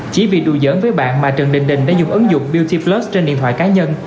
chỉ vì đùi giỡn với bạn mà trần đình đình đã dùng ứng dụng beauty plus trên điện thoại cá nhân